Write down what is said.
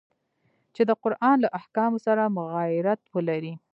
چي د قرآن له احکامو سره مغایرت ولري.